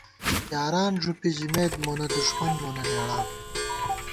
یاران ݫُوپی ژِمېت مونہ دُݭمن مونہ نېڑاں